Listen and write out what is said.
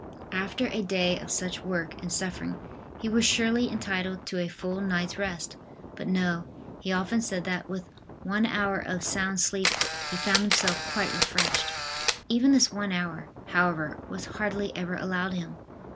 After a day of such work and suffering he was surely entitled to a full night's rest. But no, he often said that with one hour of sound sleep he found himself quite refreshed. Even this one hour, however, was hardly ever allowed him.